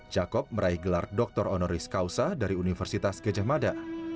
jakob meraih gelar doktor honoris causa dari universitas gejah mada